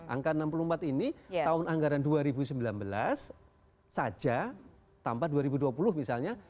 angka enam puluh empat ini tahun anggaran dua ribu sembilan belas saja tanpa dua ribu dua puluh misalnya